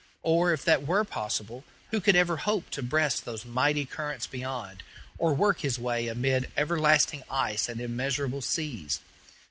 Or, if that were possible, who could ever hope to breast those mighty currents beyond, or work his way amid everlasting ice and immeasurable seas?